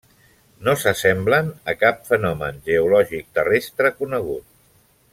No s'assemblen a cap fenomen geològic terrestre conegut.